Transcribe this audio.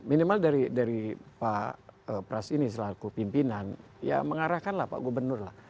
minimal dari pak pras ini selaku pimpinan ya mengarahkanlah pak gubernur lah